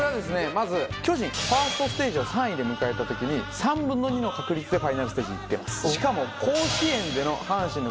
まず巨人ファーストステージを３位で迎えた時に３分の２の確率でファイナルステージ行ってます。